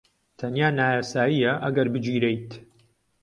تەنیا نایاساییە ئەگەر بگیرێیت.